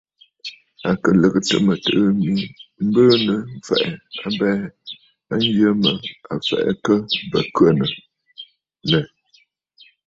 À kɨ lɨ̀gɨtə̀ mɨtɨ̀ɨ̂ mi mbɨɨnə̀ m̀fɛ̀ʼɛ̀ abɛɛ a yə mə a fɛ̀ʼɛ akə bə khə̂kə̀ lɛ.